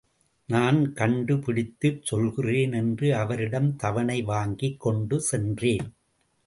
நான் கண்டு பிடித்துச் சொல்கிறேன் என்று அவரிடம் தவணை வாங்கிக் கொண்டு சென்றேன்.